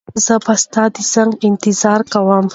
زه به ستا د زنګ انتظار کوم.